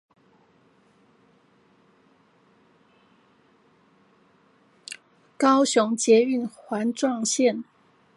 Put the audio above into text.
高雄捷運環狀線